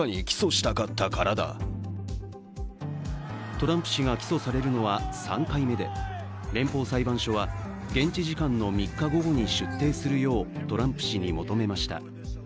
トランプ氏が起訴されるのは３回目で連邦裁判所は現地時間の３日午後に出廷するようトランプ氏に求めました。